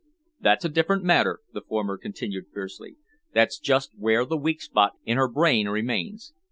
"That's a different matter," the former continued fiercely. "That's just where the weak spot in her brain remains.